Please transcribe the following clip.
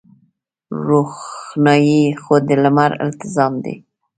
روښنايي خو د لمر التزام دی.